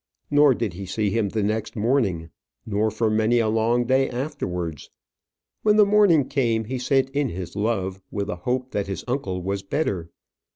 Nor did he see him the next morning; nor for many a long day afterwards. When the morning came, he sent in his love, with a hope that his uncle was better.